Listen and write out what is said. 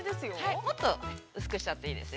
◆もっと薄くしちゃっていいですよ。